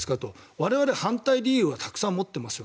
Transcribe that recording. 我々、反対理由はたくさん持っていますよ。